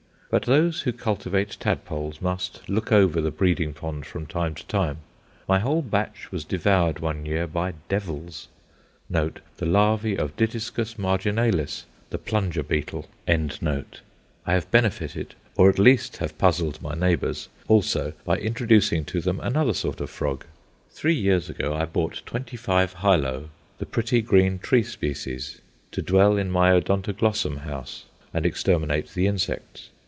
But those who cultivate tadpoles must look over the breeding pond from time to time. My whole batch was devoured one year by "devils" the larvæ of Dytiscus marginalis, the Plunger beetle. I have benefited, or at least have puzzled my neighbours also by introducing to them another sort of frog. Three years ago I bought twenty five Hyloe, the pretty green tree species, to dwell in my Odontoglossum house and exterminate the insects.